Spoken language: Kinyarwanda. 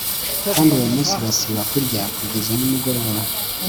kandi uwo munsi basiba kurya kugeza nimugoroba